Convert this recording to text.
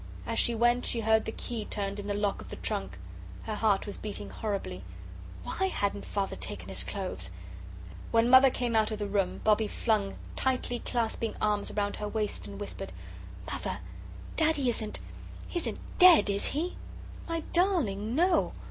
As she went she heard the key turned in the lock of the trunk. Her heart was beating horribly. WHY hadn't Father taken his clothes? When Mother came out of the room, Bobbie flung tightly clasping arms round her waist, and whispered: "Mother Daddy isn't isn't DEAD, is he?" "My darling, no!